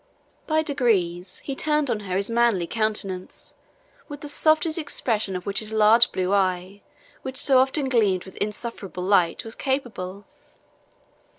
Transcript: By degrees, he turned on her his manly countenance, with the softest expression of which his large blue eye, which so often gleamed with insufferable light, was capable.